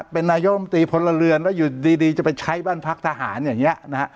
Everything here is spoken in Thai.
เป็นนายกรรมตรีพลเรือนแล้วอยู่ดีจะไปใช้บ้านพักทหารอย่างนี้